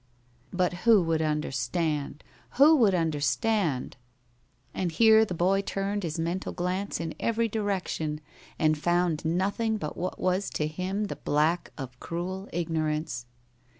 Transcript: But who would understand? Who would understand? And here the boy turned his mental glance in every direction, and found nothing but what was to him the black of cruel ignorance.